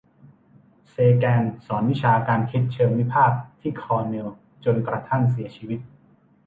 เซแกนสอนวิชาการคิดเชิงวิพากษ์ที่คอร์เนลจนกระทั่งเสียชีวิต